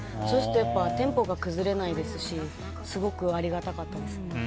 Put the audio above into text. そうするとテンポが崩れないですしすごくありがたかったですね。